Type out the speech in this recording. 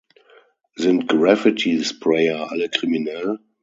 Sind Graffiti-Sprayer alle kriminell?